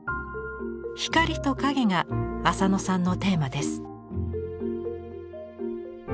光と影が浅野さんのテーマです。